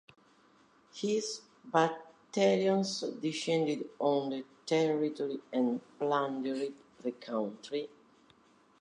His battalions descended on the territory and plundered the country.